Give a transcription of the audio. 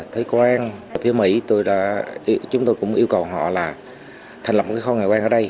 thế quan phía mỹ chúng tôi cũng yêu cầu họ là thành lập một cái kho ngoại quan ở đây